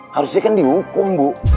harusnya kan dihukum bu